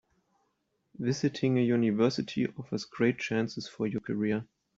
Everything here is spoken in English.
Visiting a university offers great chances for your career.